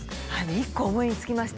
一個思いつきました。